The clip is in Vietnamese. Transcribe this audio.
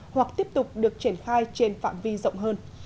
hoặc tiếp tục được triển khai trên phạm vi rộng hơn